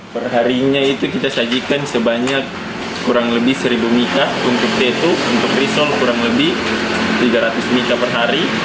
perharinya itu kita sajikan sebanyak kurang lebih seribu mica untuk depo untuk risol kurang lebih tiga ratus mica per hari